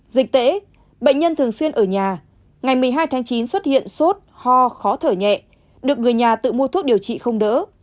dịch tễ bệnh nhân thường xuyên ở nhà ngày một mươi hai tháng chín xuất hiện sốt ho khó thở nhẹ được người nhà tự mua thuốc điều trị không đỡ